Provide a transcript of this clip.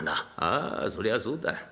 「ああそりゃそうだ。